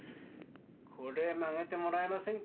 これ曲げてもらえませんか？